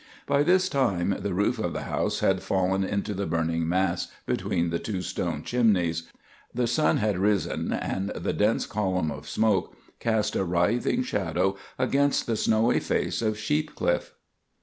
By this time the roof of the house had fallen into the burning mass between the two stone chimneys; the sun had risen, and the dense column of smoke cast a writhing shadow against the snowy face of Sheep Cliff.